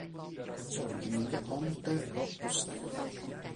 Sorge in via Conte Rocco Stella.